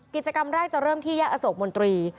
กิจกรรมแรกจะเริ่มที่แยกอโศกมนตรี